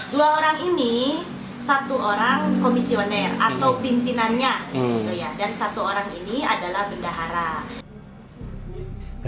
dua orang ini satu orang komisioner atau pimpinannya dan satu orang ini adalah bendahara